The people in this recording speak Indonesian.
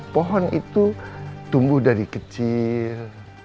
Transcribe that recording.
pohon itu tumbuh dari kecil